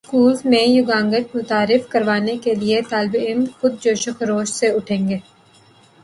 سکولوں میں یگانگت متعارف کروانے کے لیے طالب علم خود جوش و خروش سے اٹھیں گے